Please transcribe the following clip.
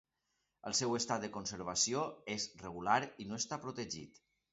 El seu estat de conservació és regular i no està protegit.